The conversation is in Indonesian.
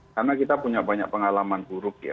karena kita punya banyak pengalaman buruk ya